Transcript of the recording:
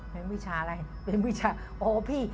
เรียนวิชาโอ้พี่